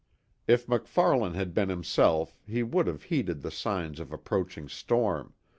If MacFarlane had been himself he would have heeded the signs of approaching storm.